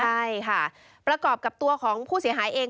ใช่ค่ะประกอบกับตัวของผู้เสียหายเอง